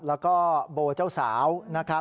แล้วก็โบเจ้าสาวนะครับ